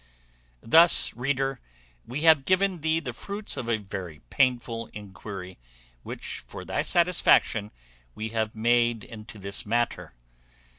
Thus, reader, we have given thee the fruits of a very painful enquiry which for thy satisfaction we have made into this matter.